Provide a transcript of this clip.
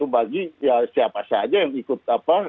bagi siapa saja yang ikut